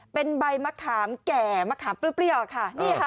เป็นใบมะขามแก่มะขามเปรี้ยวค่ะ